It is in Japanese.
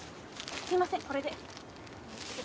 すいませんこれで。